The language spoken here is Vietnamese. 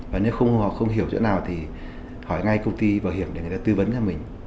và nếu họ không hiểu chỗ nào thì hỏi ngay công ty bảo hiểm để người ta tư vấn cho mình